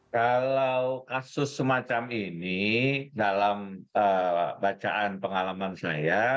kalau kasus semacam ini dalam bacaan pengalaman saya